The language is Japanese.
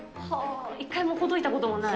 一回もほどいたこともない？